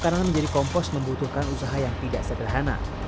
makanan menjadi kompos membutuhkan usaha yang tidak sederhana